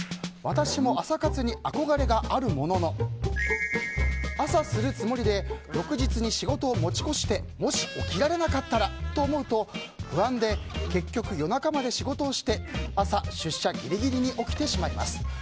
私も朝活に憧れがあるものの朝するつもりで翌日に仕事を持ち越してもし起きられなかったらと思うと不安で結局、夜中まで仕事をして朝、出社ギリギリに起きてしまいます。